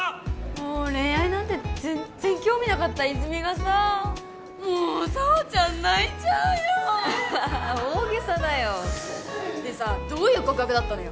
もう恋愛なんて全然興味なかった泉がさもう紗羽ちゃん泣いちゃうよ大げさだよでさどういう告白だったのよ